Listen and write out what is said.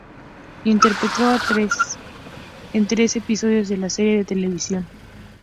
Interpretó a Tess en tres episodios de la serie de televisión "Just Shoot Me!